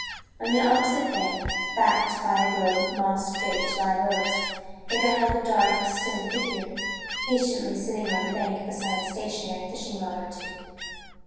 On the opposite bank, backed by a grove of moss draped live oaks, they beheld a dark, still figure, patiently sitting on the bank beside a stationary fishing rod or two.